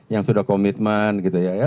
yang sudah komitmen gitu ya